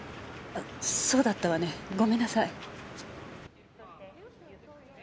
あそうだったわね。ごめんなさい。